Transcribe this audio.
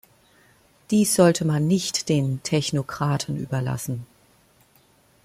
Dies sollte man nicht den Technokraten überlassen.